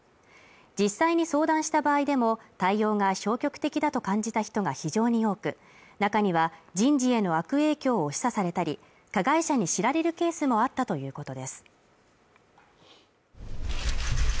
実際に相談した場合でも対応が消極的だと感じた人が非常に多く中には人事への悪影響を示唆されたり加害者に知られるケースもあったということです